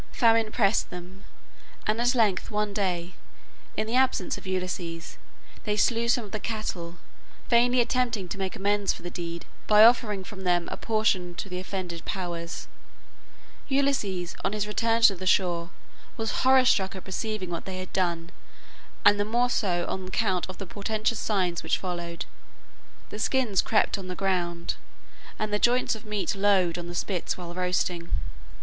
Famine pressed them, and at length one day, in the absence of Ulysses, they slew some of the cattle, vainly attempting to make amends for the deed by offering from them a portion to the offended powers. Ulysses, on his return to the shore, was horror struck at perceiving what they had done, and the more so on account of the portentous signs which followed. The skins crept on the ground, and the joints of meat lowed on the spits while roasting.